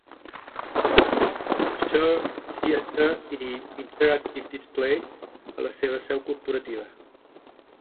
Shure Theater i Interactive Display a la seva seu corporativa.